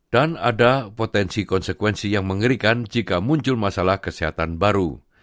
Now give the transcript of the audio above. dan ada potensi konsekuensi yang mengerikan jika muncul masalah kesehatan baru